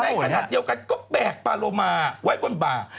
ในขณะเดียวกันก็แบกปลารม่าไว้บนบาร์